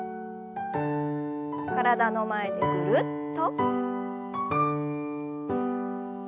体の前でぐるっと。